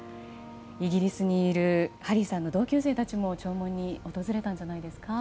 イギリスにいるハリーさんの同級生たちも弔問に訪れたんじゃないですか？